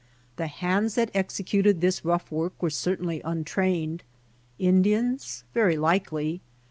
The hands that executed this rough work were certainly untrained. Indians ? Very likely.